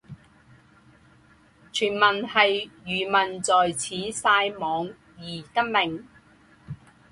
传闻是渔民在此晒网而得名。